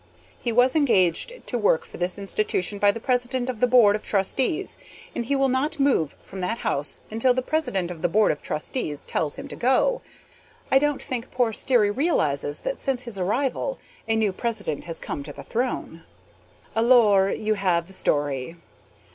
He was engaged to work for this institution by the president of the board of trustees, and he will not move from that house until the president of the board of trustees tells him to go. I don't think poor Sterry realizes that since his arrival a new president has come to the throne. ALORS you have the story.